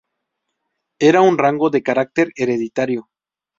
Era un rango de carácter hereditario.